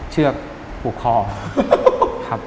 เชือกผูกคอ